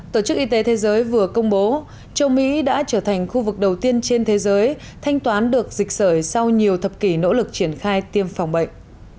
tổ chức y tế thế giới vừa công bố châu mỹ đã trở thành khu vực đầu tiên trên thế giới thanh toán được dịch sởi sau nhiều thập kỷ nỗ lực triển khai tiêm phòng bệnh